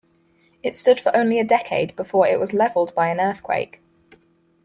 It stood for only a decade before it was leveled by an earthquake.